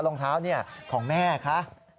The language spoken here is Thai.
รองเท้าเนี่ยของแม่ค่ะ